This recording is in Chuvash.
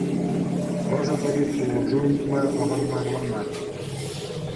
Хӑшӗ-пӗри пулӑшу ыйтма аванмарланать.